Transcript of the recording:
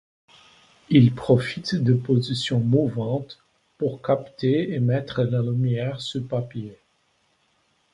Il profite des positions mouvantes pour capter et mettre la lumière sur papier.